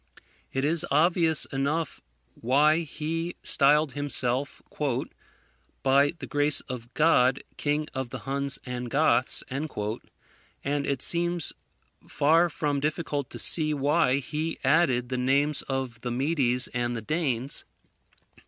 It is obvious enough why he styled himself "By the grace of God, King of the Huns and Goths;" and it seems far from difficult to see why he added the names of the Medes and the Danes.